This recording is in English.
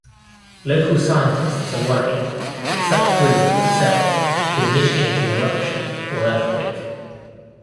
Local scientists are worried that such drilling itself could initiate an eruption or earthquake.